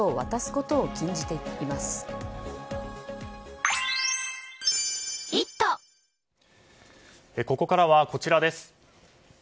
ここからはこちらです。